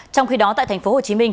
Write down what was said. trong khi đó tại tp hcm